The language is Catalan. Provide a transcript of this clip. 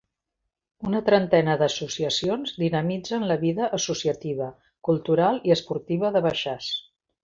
Una trentena d'associacions dinamitzen la vida associativa, cultural i esportiva de Baixàs.